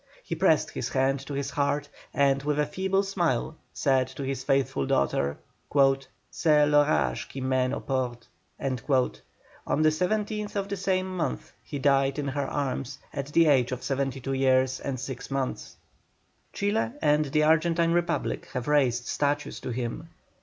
He pressed his hand to his heart, and with a feeble smile said to his faithful daughter: "C'est l'orage qui mene au port." On the 17th of the same month he died in her arms, at the age of seventy two years and six months. Chile and the Argentine Republic have raised statues to him.